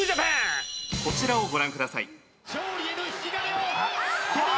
「こちらをご覧ください」あっ！